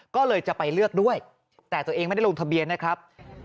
ก็เลยจะไปเลือกด้วยแต่ตัวเองไม่ได้ลงทะเบียนนะครับ